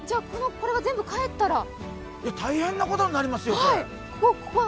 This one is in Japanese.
これが全部かえったら大変なことになりますよ。